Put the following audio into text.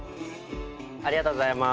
ありがとうございます。